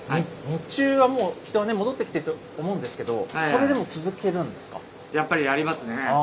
日中はもう、人は戻ってきていると思うんですけど、それでもやっぱりやりますね。